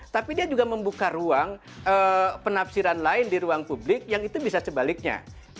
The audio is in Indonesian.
tapi dia juga membuka ruang penafsiran lain di ruang publik yang itu bisa sebaliknya